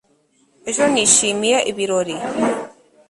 ejo nishimiye ibirori